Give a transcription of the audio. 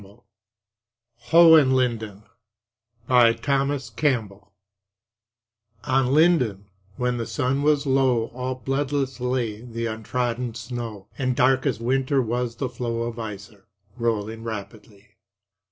FELICIA HEMANS HOHENLINDEN On Linden, when the sun was low, All bloodless lay th' untrodden snow, And dark as winter was the flow Of Iser, rolling rapidly.